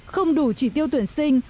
không đủ chỉ tiêu tuyển sinh